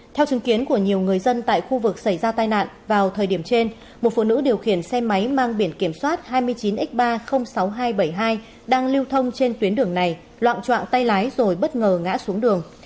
theo chứng kiến của nhiều người dân tại khu vực xảy ra tai nạn vào thời điểm trên một phụ nữ điều khiển xe máy mang biển kiểm soát hai mươi chín x ba trăm linh sáu nghìn hai trăm bảy mươi hai đang lưu thông trên tuyến đường này loạn trạng tay lái rồi bất ngờ ngã xuống đường